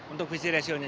untuk visi rasionya